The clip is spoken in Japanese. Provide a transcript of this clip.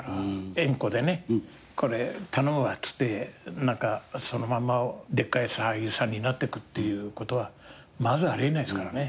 縁故でねこれ頼むわっつってそのまんまでっかい俳優さんになってくっていうことはまずあり得ないですからね。